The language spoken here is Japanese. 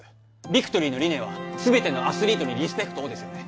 ビクトリーの理念はすべてのアスリートにリスペクトをですよね